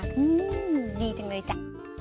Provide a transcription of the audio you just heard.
อื้อดีจริงเลยจ้ะ